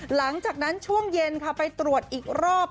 หลังจากนั้นช่วงเย็นค่ะไปตรวจอีกรอบ